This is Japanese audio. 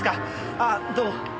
ああどうも。